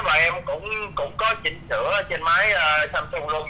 và em cũng có chỉnh sửa trên máy samsung luôn